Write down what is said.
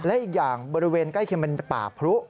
และอีกอย่างบริเวณใกล้เคียงเป็นป่าพรุ